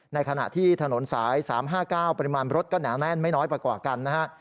ในขณะที่ถนนสาย๓๕๙ปริมาณรถก็หนาแน่นไม่น้อยกว่ากันนะฮะ